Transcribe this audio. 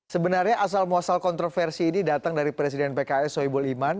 sebenarnya asal muasal kontroversi ini datang dari presiden pks soebul iman